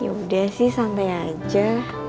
ya udah sih santai aja